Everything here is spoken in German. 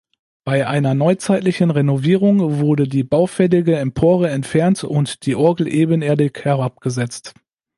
Bei einer neuzeitlichen Renovierung wurde die baufällige Empore entfernt und die Orgel ebenerdig herabgesetzt.